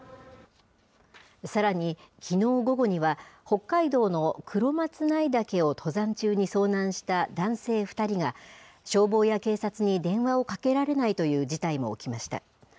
さらに、きのう午後には、北海道の黒松内岳を登山中に遭難した男性２人が、消防や警察に電話をかけられないという事態も起きました。